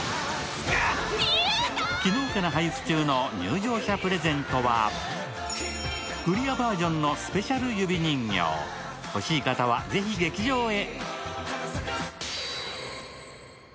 昨日から配布中の入場者プレゼントはクリアバージョンのスペシャル指人形、欲しい方はぜひ劇場へ。